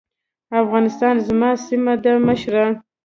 افغانستان زما سيمه ده مشره.